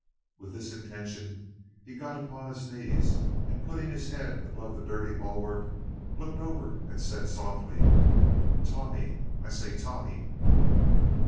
With this intention he got upon his knees, and putting his head above the dirty bulwark, looked over and said softly, "Tommy, I say, Tommy!"